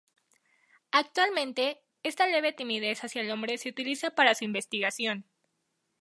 Actualmente, esta leve timidez hacia el hombre se utiliza para su investigación.